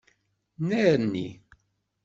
Nnerni.